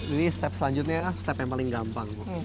ini step selanjutnya kan step yang paling gampang